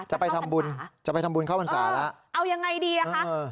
จะไปทำบุญจะไปทำบุญเข้าพรรษาแล้วเอายังไงดีอ่ะคะ